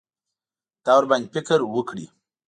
دا ورباندې فکر وکړي.